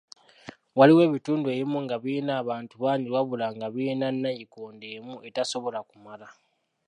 Waliwo ebitundu ebimu nga birina abantu bangi wabula nga birina nayikondo emu etasobola kumala.